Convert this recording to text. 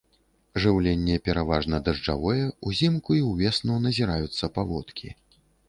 Жыўленне пераважна дажджавое, узімку і ўвесну назіраюцца паводкі.